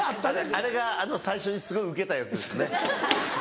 あれが最初にすごいウケたやつですね。